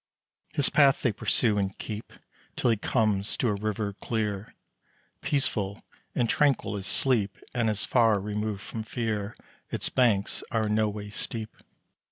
His path they pursue and keep, Till he comes to a River clear, Peaceful and tranquil as sleep, And as far removed from fear: Its banks are in no way steep.